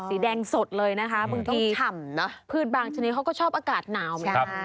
สีแดงสดเลยนะคะบางทีผืดบางชนิดเขาก็ชอบอากาศหนาว